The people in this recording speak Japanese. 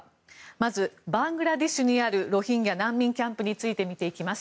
まずバングラデシュにあるロヒンギャ難民キャンプについて見ていきます。